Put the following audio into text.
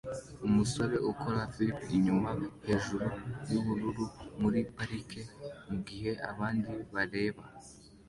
Umusore ukora flip inyuma hejuru yubururu muri parike mugihe abandi bareba